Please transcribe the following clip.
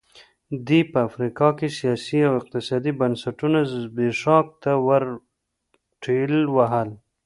دې په افریقا کې سیاسي او اقتصادي بنسټونه زبېښاک ته ورټېل وهل.